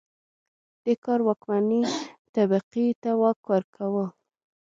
دې کار واکمنې طبقې ته واک ورکاوه